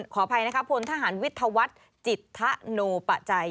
ขออภัยนะคะพลทหารวิทยาวัฒน์จิตทะโนปะใจ